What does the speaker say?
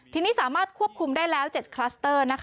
ทีนี้สามารถควบคุมได้แล้ว๗คลัสเตอร์